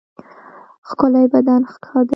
ښکلی بدن ښه دی.